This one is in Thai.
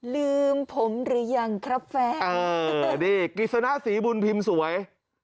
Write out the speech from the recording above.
ลืมผมหรือยังครับแฟนเออนี่กฤษณะศรีบุญพิมพ์สวย